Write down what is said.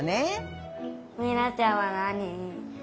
美菜ちゃんはなに？